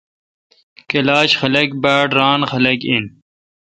کلاش خلق باڑ ران خلق این۔